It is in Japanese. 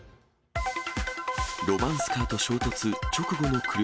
ロマンスカーと衝突、直後の車。